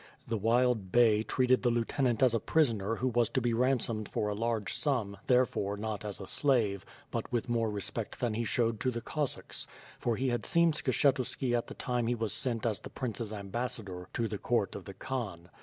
The wild Bey treated the lieutenant as a prisoner who was to be ran somed for a large sum, therefore not as a slave, but with more respect than he showed to the Cossacks, for he had seen Skshetuski at the time he was sent as the prince's ambassador to court of the Khan.